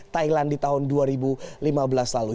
thailand di tahun dua ribu lima belas lalu